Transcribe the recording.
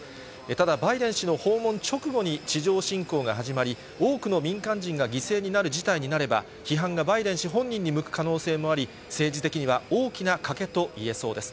ただバイデン氏の訪問直後に地上侵攻が始まり、多くの民間人が犠牲になる事態になれば、批判がバイデン氏本人に向く可能性もあり、政治的には大きな賭けといえそうです。